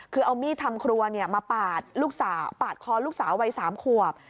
คือเอามีดทำครัวมาปาดลูกสาวปาดคอลูกสาววัย๓ขวบ